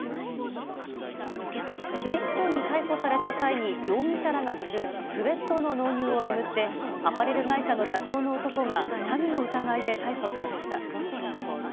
警視庁に逮捕された際に容疑者らが着るスエットの納入を巡って、アパレル会社の社長の男が詐欺の疑いで逮捕されました。